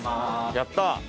やった。